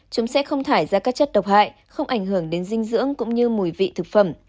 chúng sẽ không thải ra các chất độc hại không ảnh hưởng đến dinh dưỡng cũng như mùi vị thực phẩm